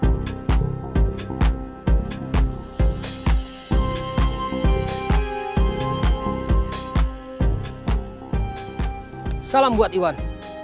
terima kasih iwan